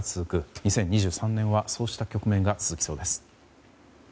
２０２３年はそうした局面が続きそうです。